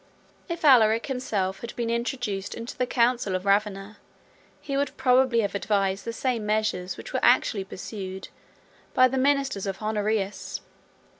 If Alaric himself had been introduced into the council of Ravenna, he would probably have advised the same measures which were actually pursued by the ministers of Honorius.